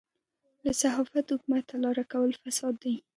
له صحافته حکومت ته لاره کول فساد دی.